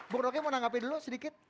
bung rokie mau tanggapi dulu sedikit